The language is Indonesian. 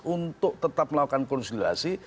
untuk tetap melakukan konsultasi